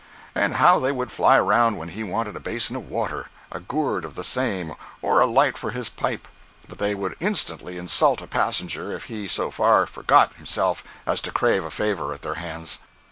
And how they would fly around when he wanted a basin of water, a gourd of the same, or a light for his pipe!—but they would instantly insult a passenger if he so far forgot himself as to crave a favor at their hands.